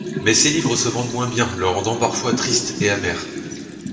Mais ses livres se vendent moins bien, le rendant parfois triste et amer.